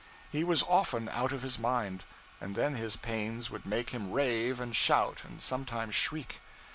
He was often out of his mind; and then his pains would make him rave and shout and sometimes shriek.